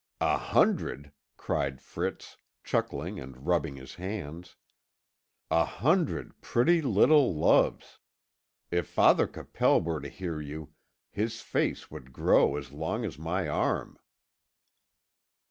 "A hundred!" cried Fritz, chuckling and rubbing his hands. "A hundred pretty little loves! If Father Capel were to hear you, his face would grow as long as my arm.